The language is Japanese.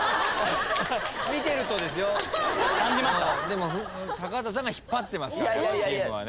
でも高畑さんが引っ張ってますからチームはね。